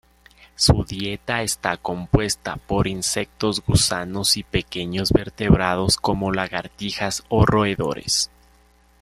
Su dieta está compuesta por insectos, gusanos y pequeños vertebrados como lagartijas o roedores.